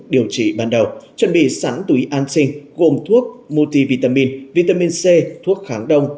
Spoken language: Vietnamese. điều trị ban đầu chuẩn bị sẵn túi an sinh gồm thuốc multivitamin vitamin c thuốc kháng đông